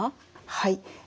はい。